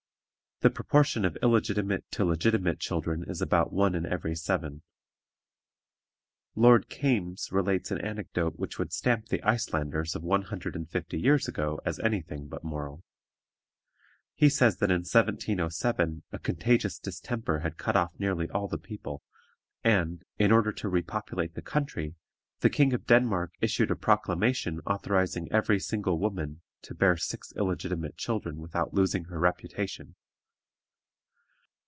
The proportion of illegitimate to legitimate children is about one in every seven. Lord Kames relates an anecdote which would stamp the Icelanders of one hundred and fifty years ago as any thing but moral. He says that in 1707 a contagious distemper had cut off nearly all the people, and, in order to repopulate the country, the King of Denmark issued a proclamation authorizing every single woman to bear six illegitimate children without losing her reputation.